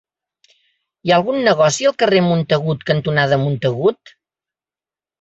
Hi ha algun negoci al carrer Montagut cantonada Montagut?